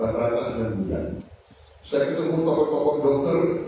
empat dan mereka pada saatnya ada yang tiga bulan tidak dibayar gaji